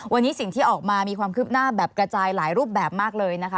วันนี้สิ่งที่ออกมามีความคืบหน้าแบบกระจายหลายรูปแบบมากเลยนะคะ